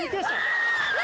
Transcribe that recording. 何？